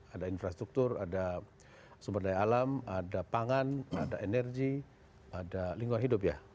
ada infrastruktur ada sumber daya alam ada pangan ada energi ada lingkungan hidup ya